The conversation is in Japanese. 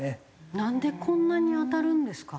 なんでこんなに当たるんですか？